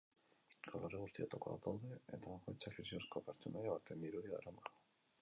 Kolore guztietakoak daude eta bakoitzak fikziozko pertsonaia baten irudia darama.